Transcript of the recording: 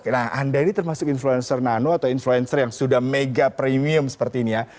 nah anda ini termasuk influencer nano atau influencer yang sudah mega premium seperti ini ya